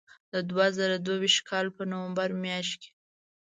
د دوه زره دوه ویشت کال په نومبر میاشت کې.